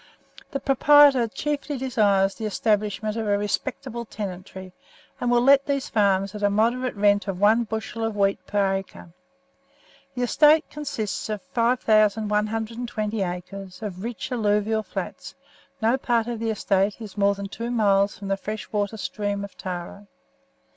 The proprietor chiefly desires the establishment of a Respectable Tenantry, and will let these farms at the moderate rent of one bushel of wheat per acre. The estate consists of 5,120 acres of rich alluvial flats; no part of the estate is more than two miles from the freshwater stream of Tarra.